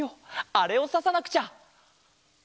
あれをささなくちゃ。